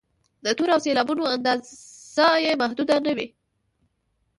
د تورو او سېلابونو اندازه یې محدوده نه وي.